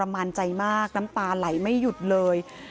บอกแม่ทรมานใจมากน้ำตาไหลไม่หยุดเลย